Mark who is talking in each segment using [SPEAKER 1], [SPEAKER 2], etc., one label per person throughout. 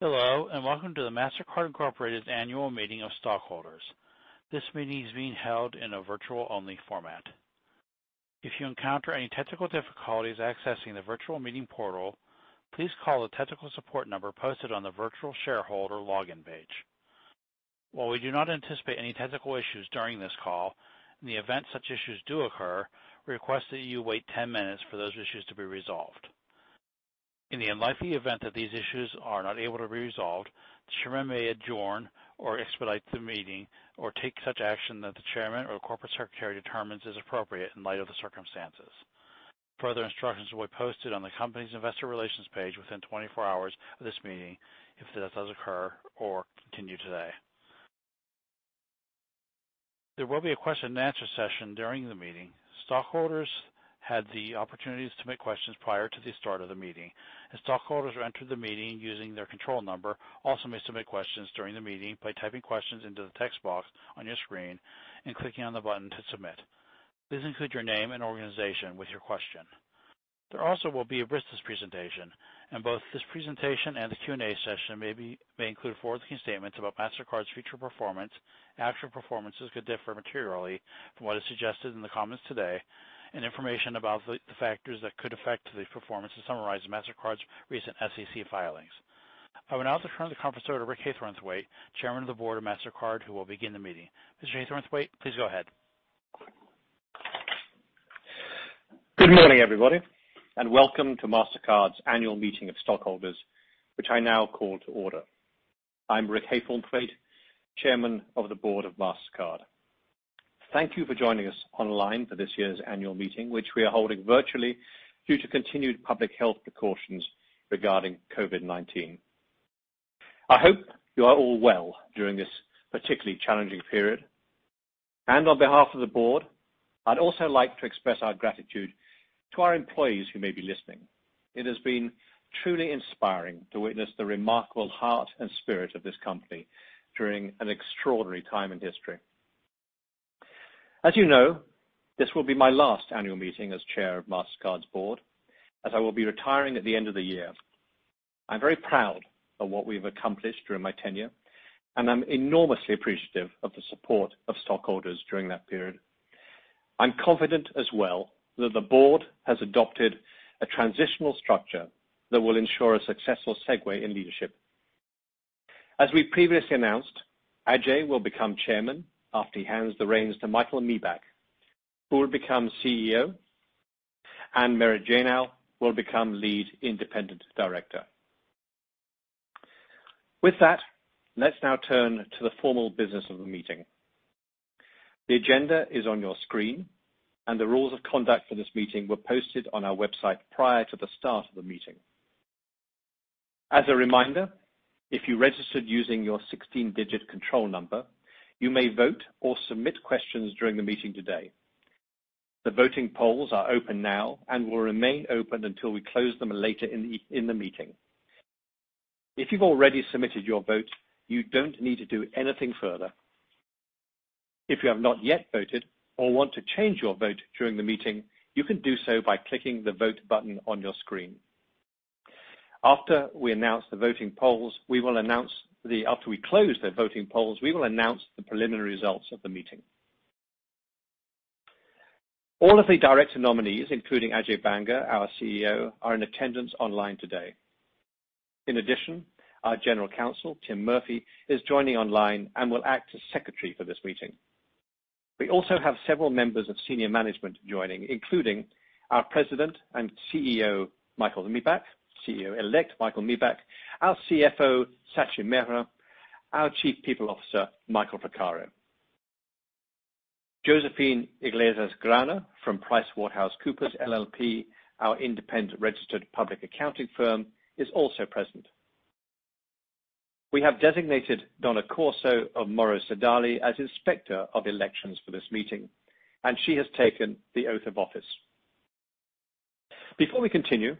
[SPEAKER 1] Hello, and welcome to the Mastercard Incorporated Annual Meeting of Stockholders. This meeting is being held in a virtual-only format. If you encounter any technical difficulties accessing the virtual meeting portal, please call the technical support number posted on the virtual shareholder login page. While we do not anticipate any technical issues during this call, in the event such issues do occur, we request that you wait 10 minutes for those issues to be resolved. In the unlikely event that these issues are not able to be resolved, the Chairman may adjourn or expedite the meeting or take such action that the Chairman or corporate secretary determines is appropriate in light of the circumstances. Further instructions will be posted on the company's investor relations page within 24 hours of this meeting if that does occur or continue today. There will be a question and answer session during the meeting. Stockholders had the opportunities to submit questions prior to the start of the meeting, and stockholders who enter the meeting using their control number also may submit questions during the meeting by typing questions into the text box on your screen and clicking on the button to submit. Please include your name and organization with your question. There also will be a business presentation, and both this presentation and the Q&A session may include forward-looking statements about Mastercard's future performance. Actual performances could differ materially from what is suggested in the comments today, and information about the factors that could affect the performance is summarized in Mastercard's recent SEC filings. I will now turn the conference over to Richard Haythornthwaite, Chairman of the Board of Mastercard, who will begin the meeting. Mr. Haythornthwaite, please go ahead.
[SPEAKER 2] Good morning, everybody, and welcome to Mastercard's Annual Meeting of Stockholders, which I now call to order. I'm Rick Haythornthwaite, Chairman of the Board of Mastercard. Thank you for joining us online for this year's annual meeting, which we are holding virtually due to continued public health precautions regarding COVID-19. I hope you are all well during this particularly challenging period. On behalf of the board, I'd also like to express our gratitude to our employees who may be listening. It has been truly inspiring to witness the remarkable heart and spirit of this company during an extraordinary time in history. As you know, this will be my last annual meeting as Chair of Mastercard's board, as I will be retiring at the end of the year. I'm very proud of what we've accomplished during my tenure, and I'm enormously appreciative of the support of stockholders during that period. I'm confident as well that the board has adopted a transitional structure that will ensure a successful segue in leadership. As we previously announced, Ajay will become Chairman after he hands the reins to Michael Miebach, who will become CEO, and Merit Janow will become Lead Independent Director. With that, let's now turn to the formal business of the meeting. The agenda is on your screen, and the rules of conduct for this meeting were posted on our website prior to the start of the meeting. As a reminder, if you registered using your 16-digit control number, you may vote or submit questions during the meeting today. The voting polls are open now and will remain open until we close them later in the meeting. If you've already submitted your vote, you don't need to do anything further. If you have not yet voted or want to change your vote during the meeting, you can do so by clicking the vote button on your screen. After we close the voting polls, we will announce the preliminary results of the meeting. All of the director nominees, including Ajay Banga, our CEO, are in attendance online today. In addition, our General Counsel, Tim Murphy, is joining online and will act as secretary for this meeting. We also have several members of senior management joining, including our CEO-elect, Michael Miebach, our CFO, Sachin Mehra, our Chief People Officer, Michael Fraccaro. Josephine Iglesias-Grana from PricewaterhouseCoopers, LLP, our independent registered public accounting firm, is also present. We have designated Donna Corso of Morrow Sodali as Inspector of Elections for this meeting, and she has taken the oath of office. Before we continue, I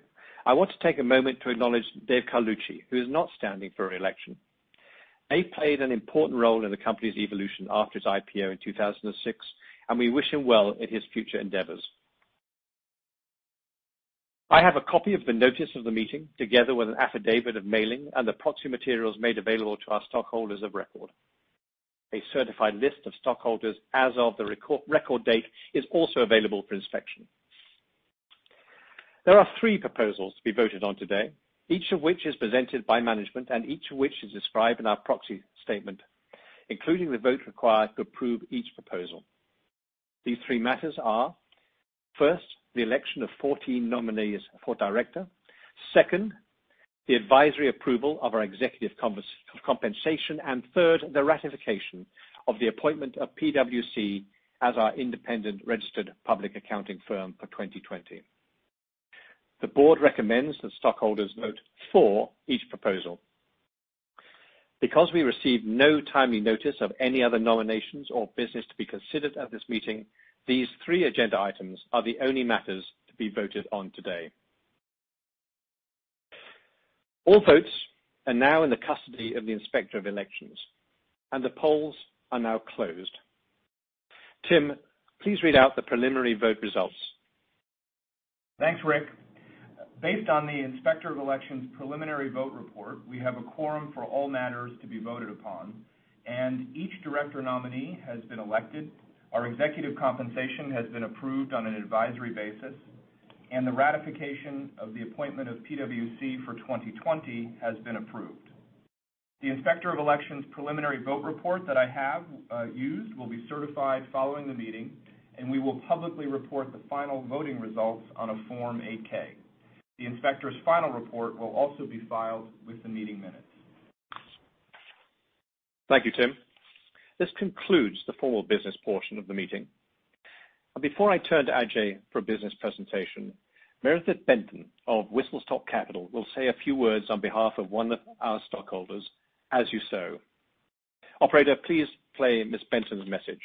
[SPEAKER 2] want to take a moment to acknowledge Dave Carlucci, who is not standing for re-election. Dave played an important role in the company's evolution after its IPO in 2006, and we wish him well in his future endeavors. I have a copy of the notice of the meeting, together with an affidavit of mailing and the proxy materials made available to our stockholders of record. A certified list of stockholders as of the record date is also available for inspection. There are three proposals to be voted on today, each of which is presented by management and each of which is described in our proxy statement, including the vote required to approve each proposal. These three matters are, first, the election of 14 nominees for director. Second, the advisory approval of our executive compensation. Third, the ratification of the appointment of PwC as our independent registered public accounting firm for 2020. The board recommends that stockholders vote for each proposal. Because we received no timely notice of any other nominations or business to be considered at this meeting, these three agenda items are the only matters to be voted on today. All votes are now in the custody of the Inspector of Elections, and the polls are now closed. Tim, please read out the preliminary vote results
[SPEAKER 3] Thanks, Rick. Based on the Inspector of Elections preliminary vote report, we have a quorum for all matters to be voted upon, and each director nominee has been elected. Our executive compensation has been approved on an advisory basis, and the ratification of the appointment of PwC for 2020 has been approved. The Inspector of Elections preliminary vote report that I have used will be certified following the meeting, and we will publicly report the final voting results on a Form 8-K. The inspector's final report will also be filed with the meeting minutes.
[SPEAKER 2] Thank you, Tim. This concludes the formal business portion of the meeting. Before I turn to Ajay for a business presentation, Meredith Benton of Whistle Stop Capital will say a few words on behalf of one of our stockholders, As You Sow. Operator, please play Ms. Benton's message.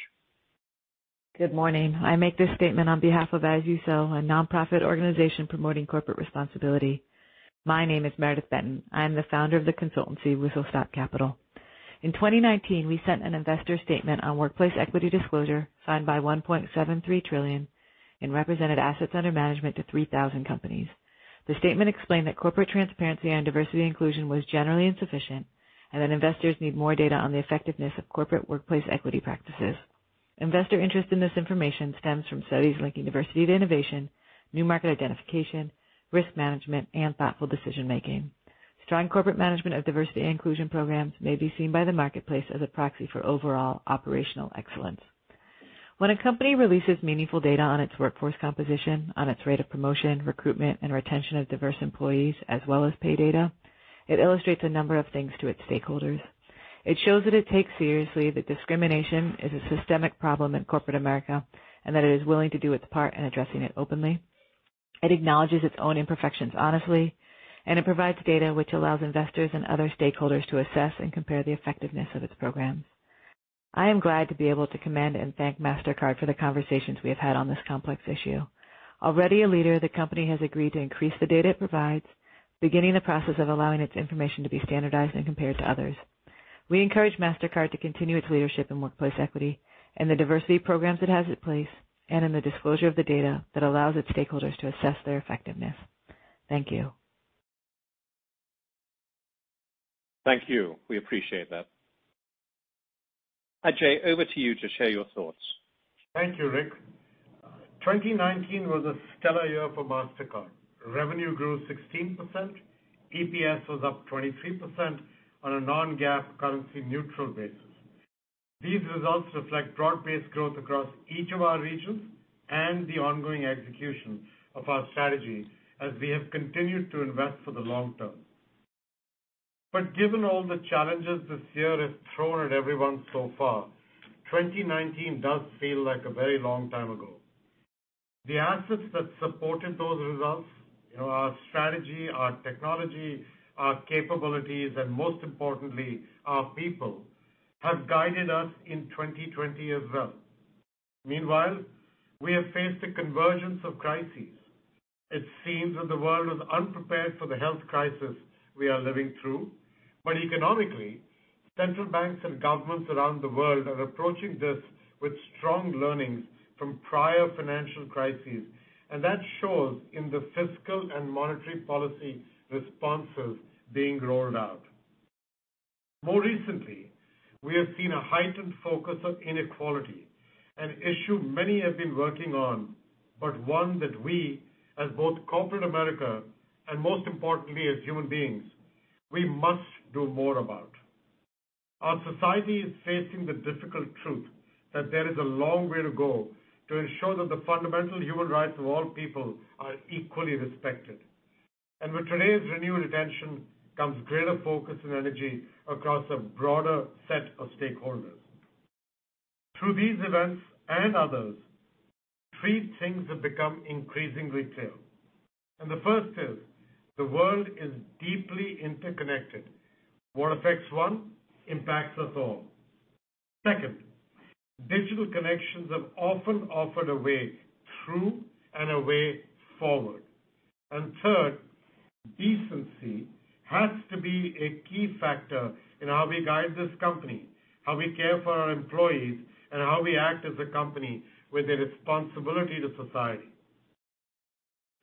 [SPEAKER 4] Good morning. I make this statement on behalf of As You Sow, a nonprofit organization promoting corporate responsibility. My name is Meredith Benton. I am the founder of the consultancy, Whistle Stop Capital. In 2019, we sent an investor statement on workplace equity disclosure signed by $1.73 trillion in represented assets under management to 3,000 companies. The statement explained that corporate transparency on diversity inclusion was generally insufficient, that investors need more data on the effectiveness of corporate workplace equity practices. Investor interest in this information stems from studies linking diversity to innovation, new market identification, risk management, and thoughtful decision-making. Strong corporate management of diversity and inclusion programs may be seen by the marketplace as a proxy for overall operational excellence. When a company releases meaningful data on its workforce composition, on its rate of promotion, recruitment, and retention of diverse employees, as well as pay data, it illustrates a number of things to its stakeholders. It shows that it takes seriously that discrimination is a systemic problem in corporate America, that it is willing to do its part in addressing it openly. It acknowledges its own imperfections honestly, it provides data which allows investors and other stakeholders to assess and compare the effectiveness of its programs. I am glad to be able to commend and thank Mastercard for the conversations we have had on this complex issue. Already a leader, the company has agreed to increase the data it provides, beginning the process of allowing its information to be standardized and compared to others. We encourage Mastercard to continue its leadership in workplace equity, in the diversity programs it has in place, in the disclosure of the data that allows its stakeholders to assess their effectiveness. Thank you.
[SPEAKER 2] Thank you. We appreciate that. Ajay, over to you to share your thoughts.
[SPEAKER 5] Thank you, Rick. 2019 was a stellar year for Mastercard. Revenue grew 16%, EPS was up 23% on a non-GAAP currency neutral basis. These results reflect broad-based growth across each of our regions and the ongoing execution of our strategy as we have continued to invest for the long term. Given all the challenges this year has thrown at everyone so far, 2019 does feel like a very long time ago. The assets that supported those results, our strategy, our technology, our capabilities, and most importantly, our people, have guided us in 2020 as well. Meanwhile, we have faced a convergence of crises. It seems that the world was unprepared for the health crisis we are living through. Economically, central banks and governments around the world are approaching this with strong learnings from prior financial crises, and that shows in the fiscal and monetary policy responses being rolled out. More recently, we have seen a heightened focus on inequality, an issue many have been working on, but one that we, as both corporate America and most importantly as human beings, we must do more about. Our society is facing the difficult truth that there is a long way to go to ensure that the fundamental human rights of all people are equally respected. With today's renewed attention comes greater focus and energy across a broader set of stakeholders. Through these events and others, three things have become increasingly clear. The first is, the world is deeply interconnected. What affects one, impacts us all. Second, digital connections have often offered a way through and a way forward. Third, decency has to be a key factor in how we guide this company, how we care for our employees, and how we act as a company with a responsibility to society.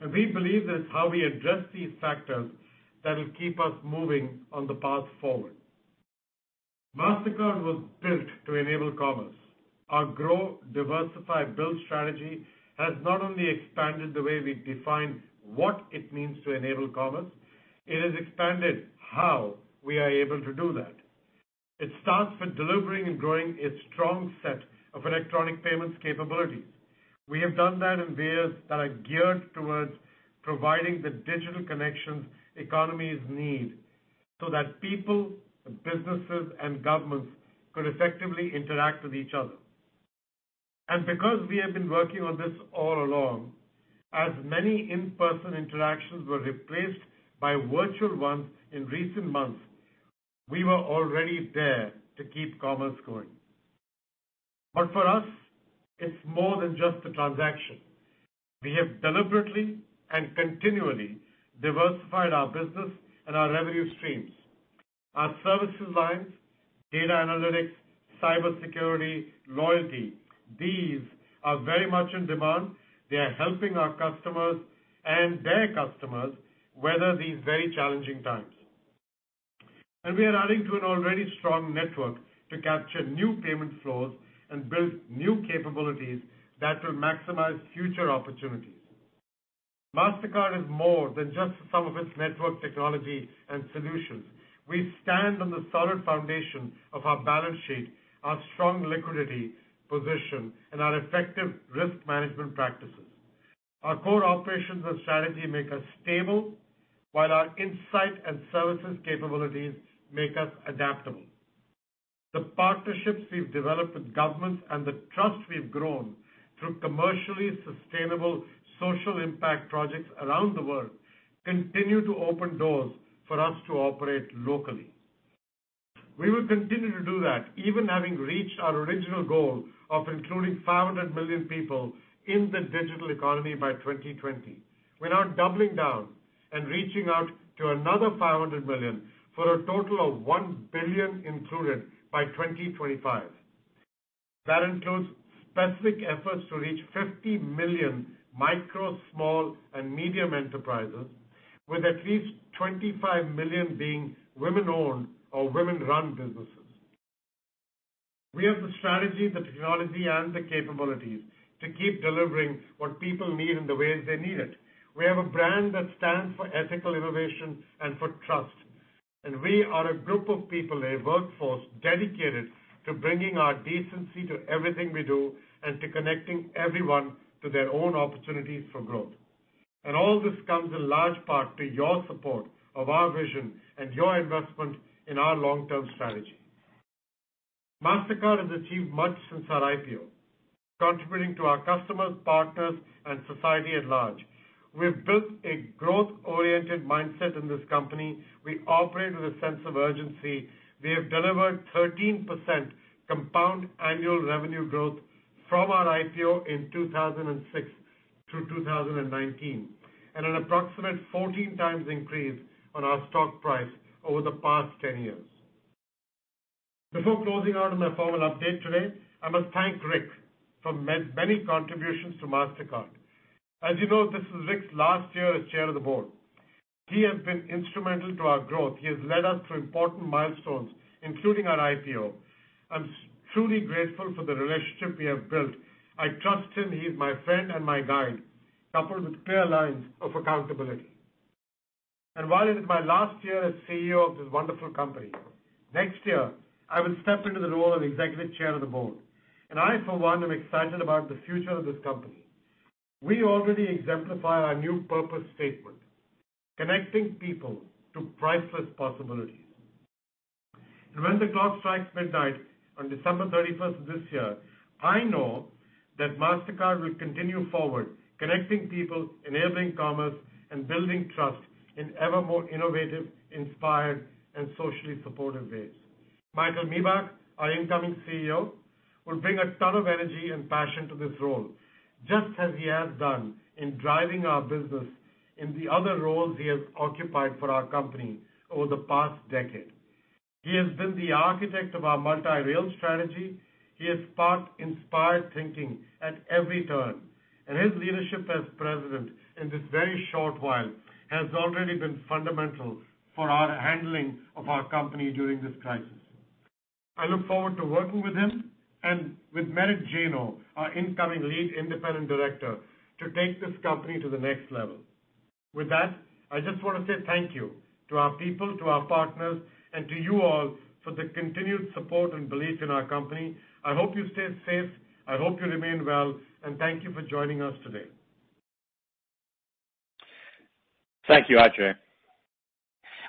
[SPEAKER 5] We believe that it's how we address these factors that will keep us moving on the path forward. Mastercard was built to enable commerce. Our grow, diversify, build strategy has not only expanded the way we define what it means to enable commerce, it has expanded how we are able to do that. It starts with delivering and growing a strong set of electronic payments capabilities. We have done that in ways that are geared towards providing the digital connections economies need so that people and businesses and governments could effectively interact with each other. Because we have been working on this all along, as many in-person interactions were replaced by virtual ones in recent months, we were already there to keep commerce going. For us, it's more than just a transaction. We have deliberately and continually diversified our business and our revenue streams. Our services lines, data analytics, cybersecurity, loyalty. These are very much in demand. They are helping our customers and their customers weather these very challenging times. We are adding to an already strong network to capture new payment flows and build new capabilities that will maximize future opportunities. Mastercard is more than just the sum of its network technology and solutions. We stand on the solid foundation of our balance sheet, our strong liquidity position, and our effective risk management practices. Our core operations and strategy make us stable, while our insight and services capabilities make us adaptable. The partnerships we've developed with governments and the trust we've grown through commercially sustainable social impact projects around the world continue to open doors for us to operate locally. We will continue to do that, even having reached our original goal of including 500 million people in the digital economy by 2020. We are now doubling down and reaching out to another 500 million for a total of 1 billion included by 2025. That includes specific efforts to reach 50 million micro, small, and medium enterprises with at least 25 million being women-owned or women-run businesses. We have the strategy, the technology, and the capabilities to keep delivering what people need in the ways they need it. We have a brand that stands for ethical innovation and for trust. We are a group of people, a workforce dedicated to bringing our decency to everything we do and to connecting everyone to their own opportunities for growth. All this comes in large part to your support of our vision and your investment in our long-term strategy. Mastercard has achieved much since our IPO, contributing to our customers, partners, and society at large. We have built a growth-oriented mindset in this company. We operate with a sense of urgency. We have delivered 13% compound annual revenue growth from our IPO in 2006 through 2019, and an approximate 14 times increase on our stock price over the past 10 years. Before closing out on my formal update today, I must thank Rick for many contributions to Mastercard. As you know, this is Rick's last year as chair of the board. He has been instrumental to our growth. He has led us through important milestones, including our IPO. I'm truly grateful for the relationship we have built. I trust him. He is my friend and my guide, coupled with clear lines of accountability. While it is my last year as CEO of this wonderful company, next year I will step into the role of executive chair of the board, and I, for one, am excited about the future of this company. We already exemplify our new purpose statement, connecting people to priceless possibilities. When the clock strikes midnight on December 31st of this year, I know that Mastercard will continue forward connecting people, enabling commerce, and building trust in ever more innovative, inspired, and socially supportive ways. Michael Miebach, our incoming CEO, will bring a ton of energy and passion to this role, just as he has done in driving our business in the other roles he has occupied for our company over the past decade. He has been the architect of our multi-rail strategy. He has sparked inspired thinking at every turn, and his leadership as President in this very short while has already been fundamental for our handling of our company during this crisis. I look forward to working with him and with Merit Janow, our incoming Lead Independent Director, to take this company to the next level. With that, I just want to say thank you to our people, to our partners, and to you all for the continued support and belief in our company. I hope you stay safe. I hope you remain well, and thank you for joining us today.
[SPEAKER 2] Thank you, Ajay.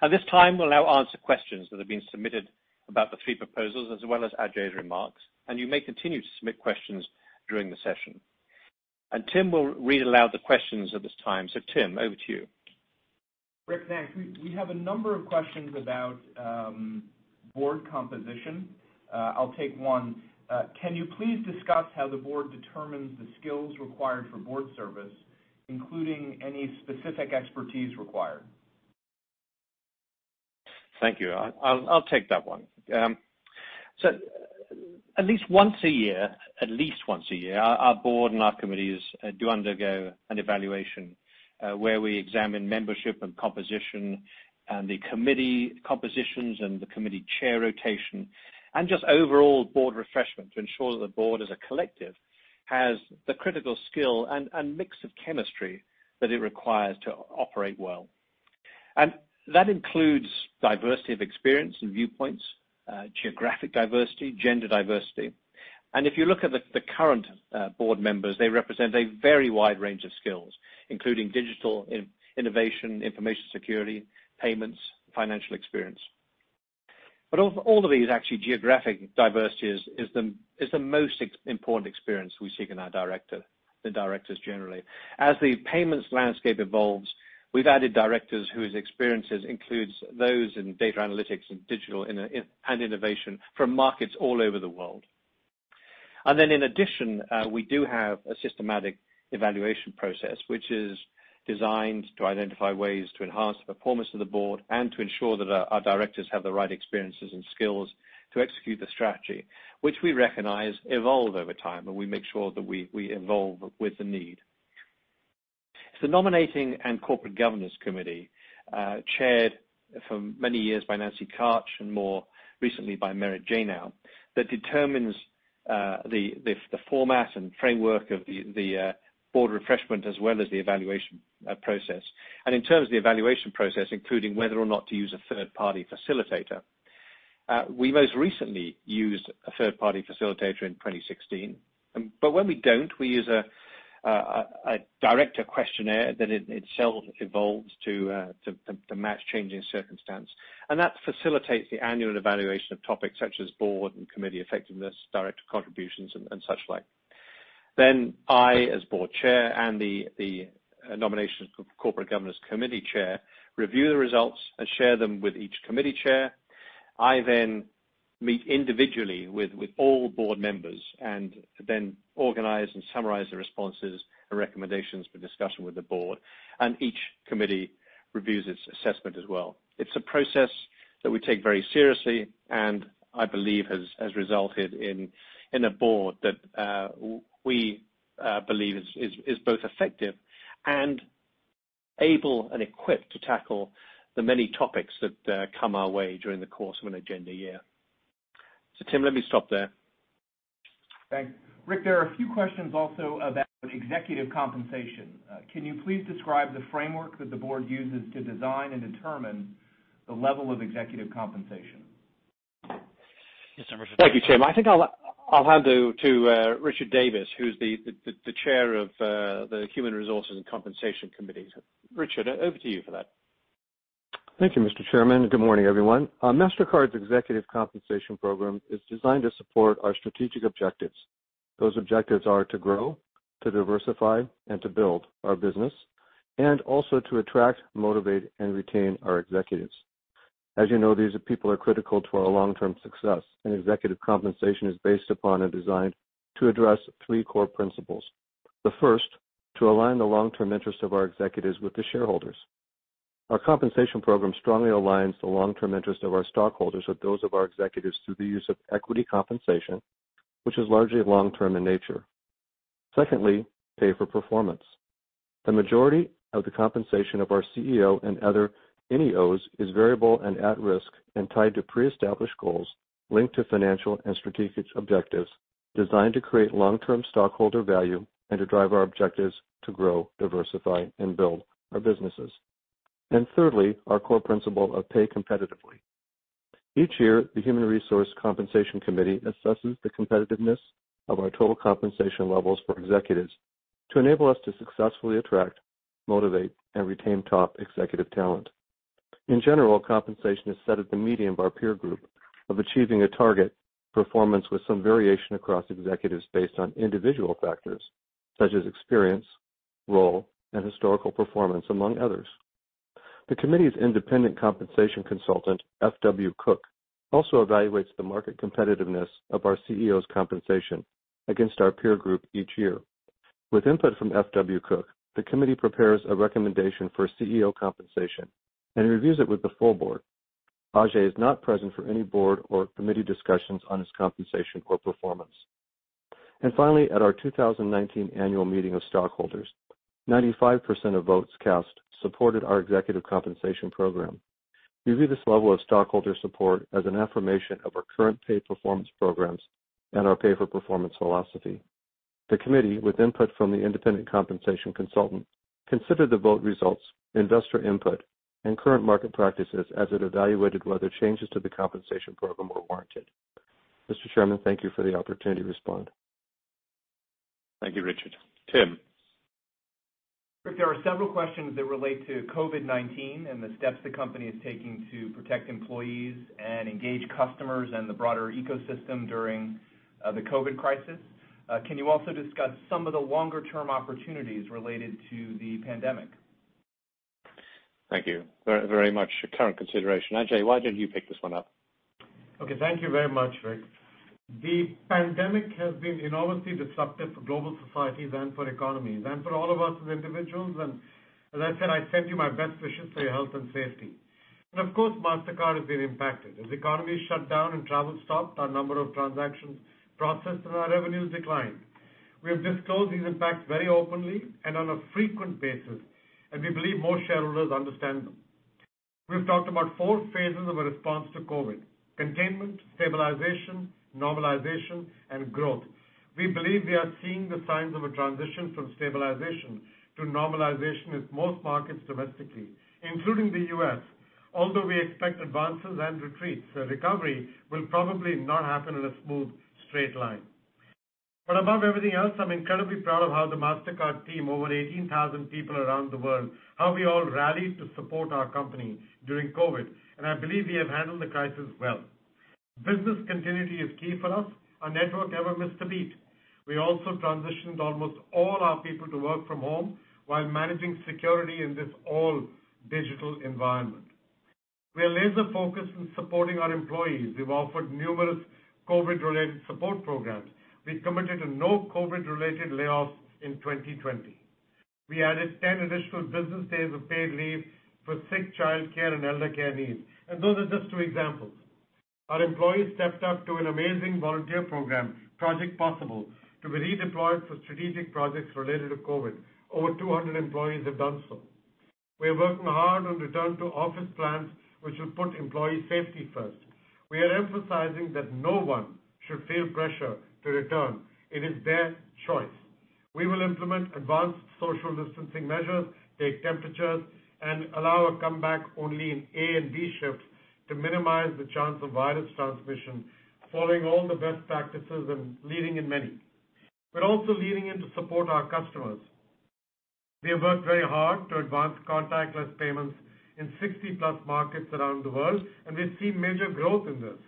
[SPEAKER 2] At this time, we'll now answer questions that have been submitted about the fee proposals as well as Ajay's remarks, and you may continue to submit questions during the session. Tim will read aloud the questions at this time. Tim, over to you.
[SPEAKER 3] Rick, thanks. We have a number of questions about board composition. I'll take one. Can you please discuss how the board determines the skills required for board service, including any specific expertise required?
[SPEAKER 2] Thank you. I'll take that one. At least once a year, our board and our committees do undergo an evaluation, where we examine membership and composition and the committee compositions and the committee chair rotation and just overall board refreshment to ensure that the board as a collective has the critical skill and mix of chemistry that it requires to operate well. That includes diversity of experience and viewpoints, geographic diversity, gender diversity. If you look at the current board members, they represent a very wide range of skills, including digital innovation, information security, payments, financial experience. Of all of these, actually, geographic diversity is the most important experience we seek in our directors generally. As the payments landscape evolves, we've added directors whose experiences includes those in data analytics and digital and innovation from markets all over the world. In addition, we do have a systematic evaluation process, which is designed to identify ways to enhance the performance of the board and to ensure that our directors have the right experiences and skills to execute the strategy, which we recognize evolve over time, and we make sure that we evolve with the need. It's the Nominating and Corporate Governance Committee, chaired for many years by Nancy Karch and more recently by Merit Janow, that determines the format and framework of the board refreshment as well as the evaluation process. In terms of the evaluation process, including whether or not to use a third-party facilitator. We most recently used a third-party facilitator in 2016. When we don't, we use a director questionnaire that itself evolves to match changing circumstance. That facilitates the annual evaluation of topics such as board and committee effectiveness, director contributions, and such like. I, as board chair, and the Nominating and Corporate Governance Committee chair, review the results and share them with each committee chair. I then meet individually with all board members and then organize and summarize the responses and recommendations for discussion with the board. Each committee reviews its assessment as well. It's a process that we take very seriously and I believe has resulted in a board that we believe is both effective and able and equipped to tackle the many topics that come our way during the course of an agenda year. Tim, let me stop there.
[SPEAKER 3] Thanks, Rick. There are a few questions also about executive compensation. Can you please describe the framework that the board uses to design and determine the level of executive compensation?
[SPEAKER 2] Thank you, Tim. I think I'll hand you to Richard Davis, who's the chair of the Human Resources and Compensation Committee. Richard, over to you for that.
[SPEAKER 6] Thank you, Mr. Chairman. Good morning, everyone. Mastercard's executive compensation program is designed to support our strategic objectives. Those objectives are to grow, to diversify, and to build our business, and also to attract, motivate, and retain our executives. As you know, these people are critical to our long-term success, and executive compensation is based upon and designed to address three core principles. The first, to align the long-term interests of our executives with the shareholders. Our compensation program strongly aligns the long-term interests of our stockholders with those of our executives through the use of equity compensation, which is largely long-term in nature. Secondly, pay for performance. The majority of the compensation of our CEO and other NEOs is variable and at-risk and tied to pre-established goals linked to financial and strategic objectives designed to create long-term stockholder value and to drive our objectives to grow, diversify, and build our businesses. Thirdly, our core principle of pay competitively. Each year, the Human Resources and Compensation Committee assesses the competitiveness of our total compensation levels for executives to enable us to successfully attract, motivate, and retain top executive talent. In general, compensation is set at the median of our peer group of achieving a target performance with some variation across executives based on individual factors such as experience, role, and historical performance, among others. The committee's independent compensation consultant, FW Cook, also evaluates the market competitiveness of our CEO's compensation against our peer group each year. With input from FW Cook, the committee prepares a recommendation for CEO compensation and reviews it with the full board. Ajay is not present for any board or committee discussions on his compensation or performance. Finally, at our 2019 annual meeting of stockholders, 95% of votes cast supported our executive compensation program. We view this level of stockholder support as an affirmation of our current pay performance programs and our pay for performance philosophy. The committee, with input from the independent compensation consultant, considered the vote results, investor input, and current market practices as it evaluated whether changes to the compensation program were warranted. Mr. Chairman, thank you for the opportunity to respond.
[SPEAKER 2] Thank you, Richard. Tim.
[SPEAKER 3] Rick, there are several questions that relate to COVID-19 and the steps the company is taking to protect employees and engage customers and the broader ecosystem during the COVID crisis. Can you also discuss some of the longer-term opportunities related to the pandemic?
[SPEAKER 2] Thank you very much. A current consideration. Ajay, why don't you pick this one up?
[SPEAKER 5] Okay, thank you very much, Rick. The pandemic has been enormously disruptive for global societies and for economies and for all of us as individuals. As I said, I send you my best wishes for your health and safety. Of course, Mastercard has been impacted. As economies shut down and travel stopped, our number of transactions processed and our revenues declined. We have disclosed these impacts very openly and on a frequent basis, we believe most shareholders understand them. We've talked about four phases of a response to COVID: containment, stabilization, normalization, and growth. We believe we are seeing the signs of a transition from stabilization to normalization in most markets domestically, including the U.S., although we expect advances and retreats. A recovery will probably not happen in a smooth, straight line. Above everything else, I'm incredibly proud of how the Mastercard team, over 18,000 people around the world, how we all rallied to support our company during COVID. I believe we have handled the crisis well. Business continuity is key for us. Our network never missed a beat. We also transitioned almost all our people to work from home while managing security in this all-digital environment. We are laser focused on supporting our employees. We've offered numerous COVID-related support programs. We've committed to no COVID-related layoffs in 2020. We added 10 additional business days of paid leave for sick, childcare, and elder care needs. Those are just two examples. Our employees stepped up to an amazing volunteer program, Project Possible, to be redeployed for strategic projects related to COVID. Over 200 employees have done so. We are working hard on return-to-office plans, which will put employee safety first. We are emphasizing that no one should feel pressure to return. It is their choice. We will implement advanced social distancing measures, take temperatures, and allow a comeback only in A and B shifts to minimize the chance of virus transmission, following all the best practices and leading in many. We're also leaning in to support our customers. We have worked very hard to advance contactless payments in 60-plus markets around the world, and we've seen major growth in this.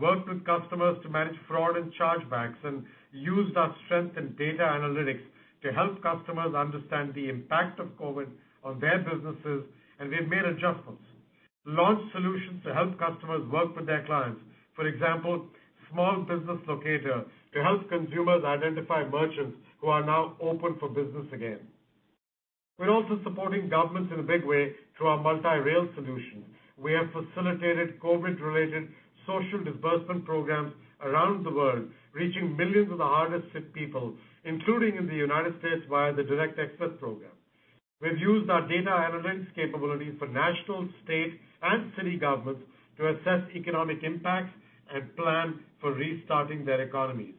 [SPEAKER 5] Worked with customers to manage fraud and chargebacks, and used our strength in data analytics to help customers understand the impact of COVID on their businesses. We've made adjustments. Launched solutions to help customers work with their clients. For example, small business locator, to help consumers identify merchants who are now open for business again. We're also supporting governments in a big way through our multi-rail solution. We have facilitated COVID-related social disbursement programs around the world, reaching millions of the hardest hit people, including in the U.S. via the Direct Express program. We've used our data analytics capabilities for national, state, and city governments to assess economic impacts and plan for restarting their economies.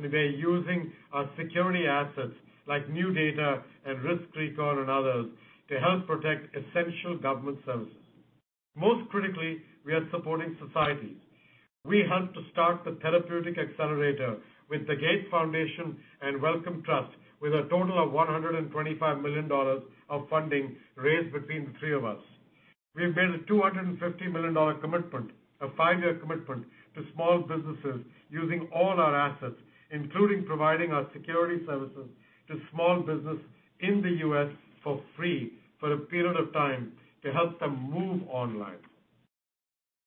[SPEAKER 5] We're using our security assets like NuData and RiskRecon and others, to help protect essential government services. Most critically, we are supporting societies. We helped to start the Therapeutic Accelerator with the Gates Foundation and Wellcome Trust, with a total of $125 million of funding raised between the three of us. We've made a $250 million commitment, a five-year commitment to small businesses using all our assets, including providing our security services to small business in the U.S. for free for a period of time to help them move online.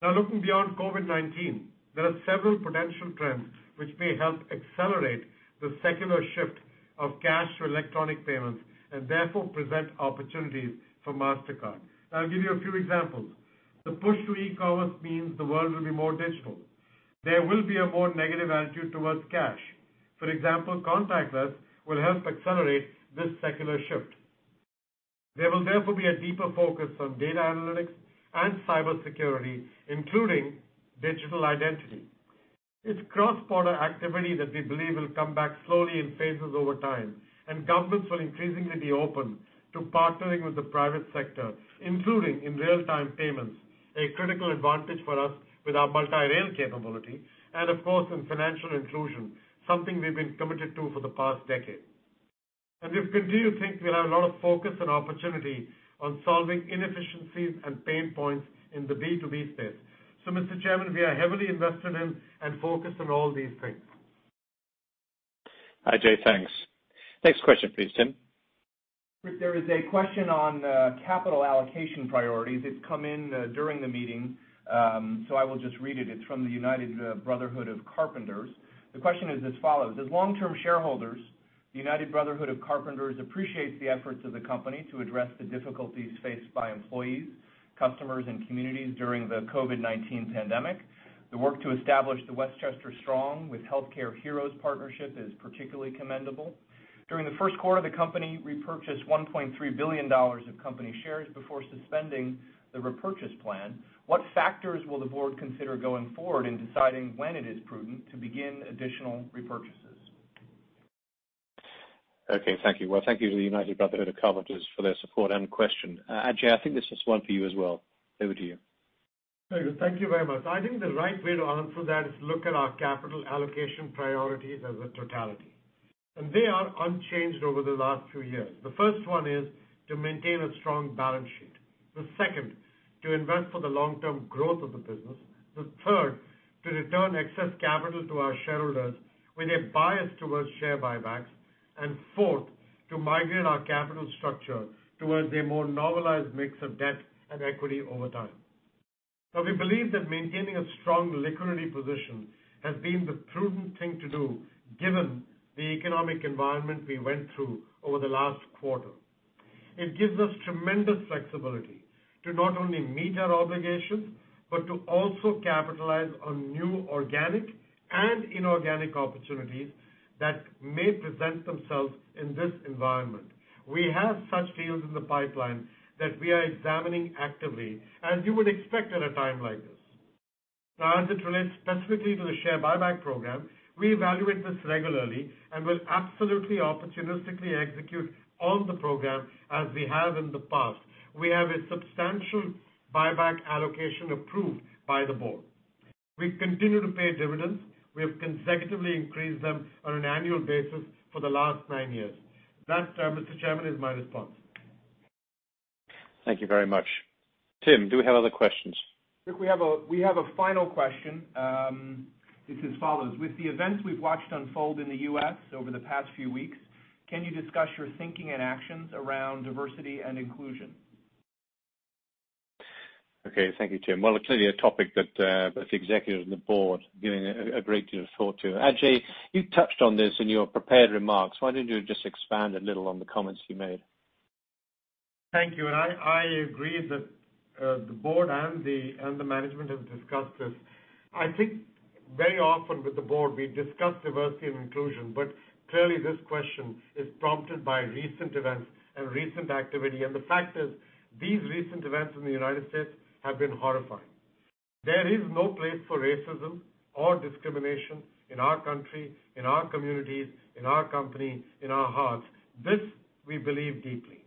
[SPEAKER 5] Looking beyond COVID-19, there are several potential trends which may help accelerate the secular shift of cash to electronic payments, and therefore present opportunities for Mastercard. I'll give you a few examples. The push to e-commerce means the world will be more digital. There will be a more negative attitude towards cash. For example, contactless will help accelerate this secular shift. There will therefore be a deeper focus on data analytics and cybersecurity, including digital identity. It's cross-border activity that we believe will come back slowly in phases over time. Governments will increasingly be open to partnering with the private sector, including in real-time payments, a critical advantage for us with our multi-rail capability, and of course, in financial inclusion, something we've been committed to for the past decade. We continue to think we'll have a lot of focus and opportunity on solving inefficiencies and pain points in the B2B space. Mr. Chairman, we are heavily invested in and focused on all these things.
[SPEAKER 2] Ajay, thanks. Next question please, Tim.
[SPEAKER 3] Rick, there is a question on capital allocation priorities. It has come in during the meeting, so I will just read it. It is from the United Brotherhood of Carpenters. The question is as follows. As long-term shareholders, the United Brotherhood of Carpenters appreciates the efforts of the company to address the difficulties faced by employees, customers, and communities during the COVID-19 pandemic. The work to establish the Westchester Strong with Healthcare Heroes partnership is particularly commendable. During the first quarter, the company repurchased $1.3 billion of company shares before suspending the repurchase plan. What factors will the board consider going forward in deciding when it is prudent to begin additional repurchases?
[SPEAKER 2] Okay, thank you. Well, thank you to the United Brotherhood of Carpenters for their support and question. Ajay, I think this is one for you as well. Over to you.
[SPEAKER 5] Very good. Thank you very much. I think the right way to answer that is look at our capital allocation priorities as a totality. They are unchanged over the last two years. The first one is to maintain a strong balance sheet. The second, to invest for the long-term growth of the business. The third, to return excess capital to our shareholders with a bias towards share buybacks. Fourth, to migrate our capital structure towards a more normalized mix of debt and equity over time. Now, we believe that maintaining a strong liquidity position has been the prudent thing to do given the economic environment we went through over the last quarter. It gives us tremendous flexibility to not only meet our obligations, but to also capitalize on new organic and inorganic opportunities that may present themselves in this environment. We have such deals in the pipeline that we are examining actively, as you would expect at a time like this. As it relates specifically to the share buyback program, we evaluate this regularly and will absolutely opportunistically execute on the program as we have in the past. We have a substantial buyback allocation approved by the board. We continue to pay dividends. We have consecutively increased them on an annual basis for the last nine years. That, Mr. Chairman, is my response.
[SPEAKER 2] Thank you very much. Tim, do we have other questions?
[SPEAKER 3] Rick, we have a final question. It's as follows: With the events we've watched unfold in the U.S. over the past few weeks Can you discuss your thinking and actions around diversity and inclusion?
[SPEAKER 2] Okay. Thank you, Tim. Well, clearly a topic that the executive and the board giving a great deal of thought to. Ajay, you touched on this in your prepared remarks. Why don't you just expand a little on the comments you made?
[SPEAKER 5] Thank you. I agree that the board and the management have discussed this. I think very often with the board, we discuss diversity and inclusion, but clearly this question is prompted by recent events and recent activity. The fact is, these recent events in the U.S. have been horrifying. There is no place for racism or discrimination in our country, in our communities, in our company, in our hearts. This we believe deeply.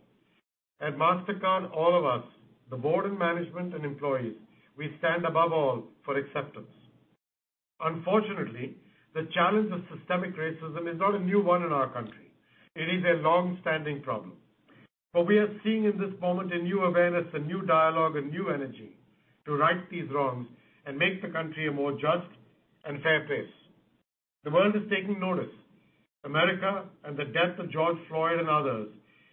[SPEAKER 5] At Mastercard, all of us, the board and management and employees, we stand above all for acceptance. Unfortunately, the challenge of systemic racism is not a new one in our country. It is a longstanding problem. We are seeing in this moment a new awareness, a new dialogue, a new energy to right these wrongs and make the country a more just and fair place. The world is taking notice. America and the death of George Floyd and others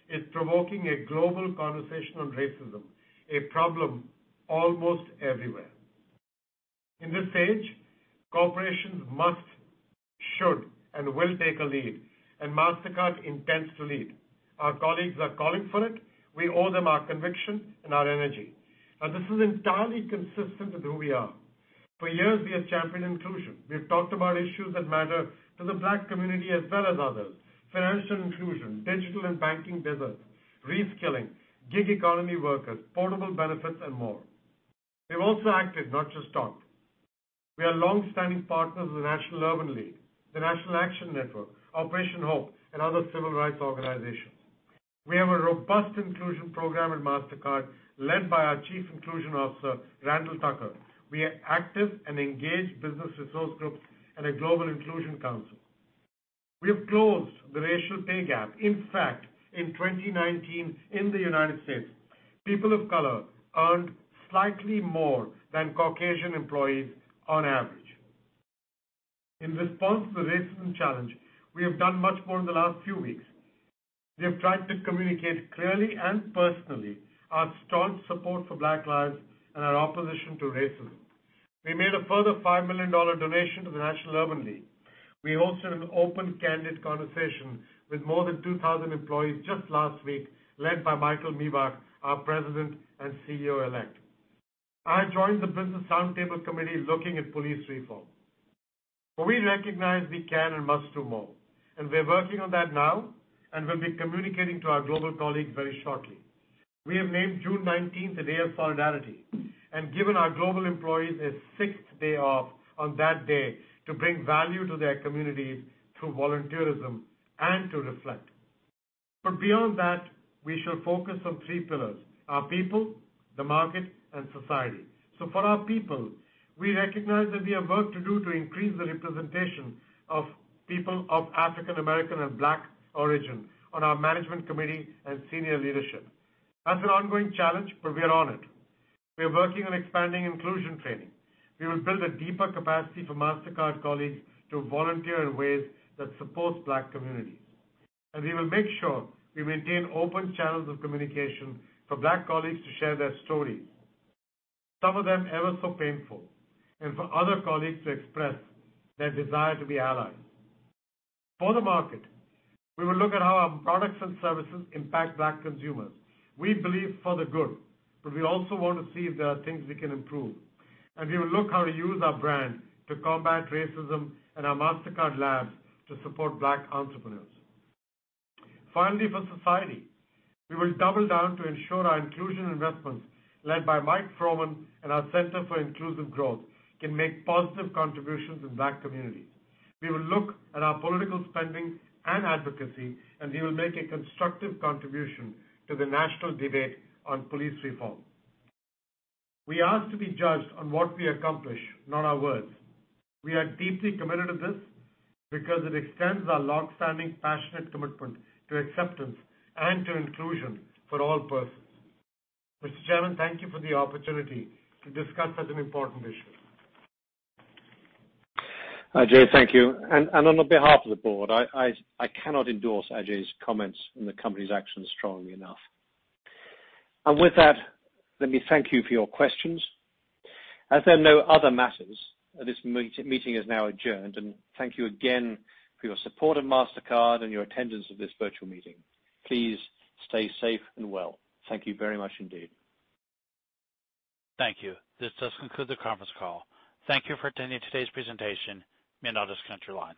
[SPEAKER 5] is provoking a global conversation on racism, a problem almost everywhere. In this age, corporations must, should, and will take a lead, and Mastercard intends to lead. Our colleagues are calling for it. We owe them our conviction and our energy. This is entirely consistent with who we are. For years, we have championed inclusion. We have talked about issues that matter to the Black community as well as others, financial inclusion, digital and banking deserts, reskilling, gig economy workers, portable benefits, and more. We've also acted, not just talked. We are longstanding partners of the National Urban League, the National Action Network, Operation HOPE, and other civil rights organizations. We have a robust inclusion program at Mastercard, led by our Chief Inclusion Officer, Randall Tucker. We have active and engaged business resource groups and a global inclusion council. We have closed the racial pay gap. In fact, in 2019, in the U.S., people of color earned slightly more than Caucasian employees on average. In response to the racism challenge, we have done much more in the last few weeks. We have tried to communicate clearly and personally our staunch support for Black lives and our opposition to racism. We made a further $5 million donation to the National Urban League. We hosted an open, candid conversation with more than 2,000 employees just last week, led by Michael Miebach, our President and CEO-elect. I joined the Business Roundtable committee looking at police reform. We recognize we can and must do more, and we're working on that now and will be communicating to our global colleagues very shortly. We have made June 19th a day of solidarity and given our global employees a sixth day off on that day to bring value to their communities through volunteerism and to reflect. Beyond that, we shall focus on three pillars, our people, the market, and society. For our people, we recognize that we have work to do to increase the representation of people of African American and Black origin on our management committee and senior leadership. That's an ongoing challenge, but we are on it. We are working on expanding inclusion training. We will build a deeper capacity for Mastercard colleagues to volunteer in ways that support Black communities. We will make sure we maintain open channels of communication for Black colleagues to share their stories, some of them ever so painful, and for other colleagues to express their desire to be allies. For the market, we will look at how our products and services impact Black consumers. We believe for the good, but we also want to see if there are things we can improve. We will look how to use our brand to combat racism and our Mastercard Labs to support Black entrepreneurs. Finally, for society, we will double down to ensure our inclusion investments, led by Mike Froman and our Center for Inclusive Growth, can make positive contributions in Black communities. We will look at our political spending and advocacy. We will make a constructive contribution to the national debate on police reform. We ask to be judged on what we accomplish, not our words. We are deeply committed to this because it extends our longstanding passionate commitment to acceptance and to inclusion for all persons. Mr. Chairman, thank you for the opportunity to discuss such an important issue.
[SPEAKER 2] Ajay, thank you. On behalf of the board, I cannot endorse Ajay's comments and the company's actions strongly enough. With that, let me thank you for your questions. As there are no other matters, this meeting is now adjourned. Thank you again for your support of Mastercard and your attendance at this virtual meeting. Please stay safe and well. Thank you very much indeed.
[SPEAKER 1] Thank you. This does conclude the conference call. Thank you for attending today's presentation. You may now disconnect your lines.